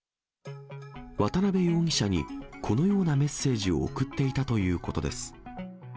渡辺容疑者に、このようなメッセージを送っていたということです。